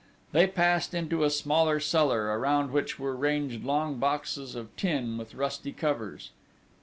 They passed into a smaller cellar, around which were ranged long boxes of tin with rusty covers.